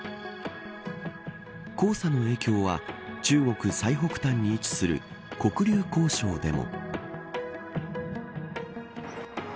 黄砂の影響は中国最北端に位置する黒竜江省でも。